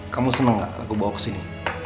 kamu seneng gak aku bawa kesini